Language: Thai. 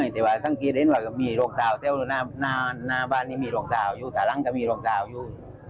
ทุกคนคิดว่าบ้านนี้มีหลอกดาวอยู่สาหรันจะมีหลอกดาวอยู่